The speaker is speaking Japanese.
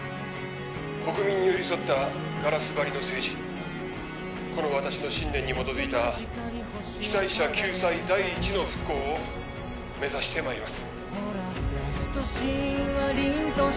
国民に寄り添ったガラス張りの政治この私の信念に基づいた被災者救済第一の復興を目指してまいります